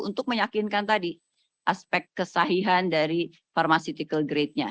untuk meyakinkan tadi aspek kesahihan dari pharmaceutical grade nya